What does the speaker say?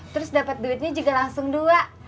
terus dapat duitnya juga langsung dua